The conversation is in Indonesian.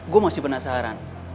gue masih penasaran